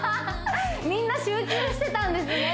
みんな集中してたんですね